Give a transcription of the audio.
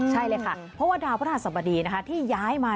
ใช่เลยค่ะเพราะว่าดาวพระศัพท์บดีที่ย้ายมา